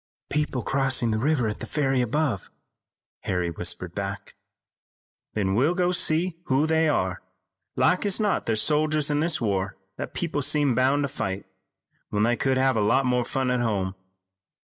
"People crossing the river at the ferry above," Harry whispered back. "Then we'll go and see who they are. Like as not they're soldiers in this war that people seem bound to fight, when they could have a lot more fun at home.